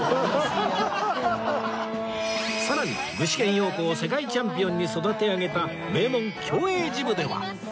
さらに具志堅用高を世界チャンピオンに育て上げた名門協栄ジムでは